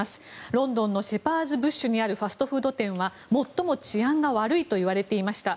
ロンドンのシェパーズ・ブッシュにあるファストフード店は最も治安が悪いといわれていました。